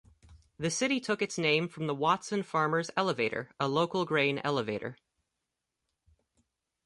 The city took its name from the Watson Farmers Elevator, a local grain elevator.